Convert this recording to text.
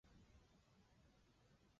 斑皮蠹属是皮蠹科下的一个属。